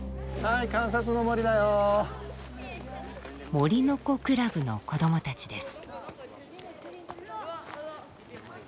「森の子クラブ」の子どもたちです。